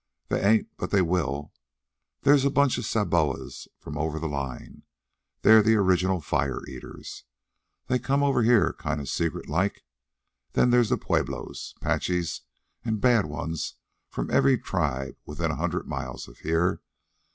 "They ain't, but they will. There's a bunch of Sabobas from over the line. They're the original fire eaters. They come over here kind of secret like. Then there's Pueblos, 'Paches, and bad ones from every tribe within a hundred miles of here.